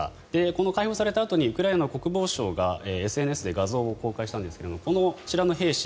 この解放されたあとのウクライナの国防省がＳＮＳで画像を公開したんですがこちらの兵士